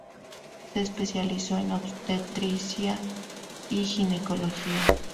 Se especializó en obstetricia y ginecología.